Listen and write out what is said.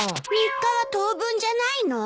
３日は当分じゃないの？